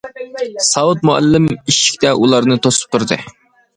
ساۋۇت مۇئەللىم ئىشىكتە ئۇلارنى توسۇپ تۇردى.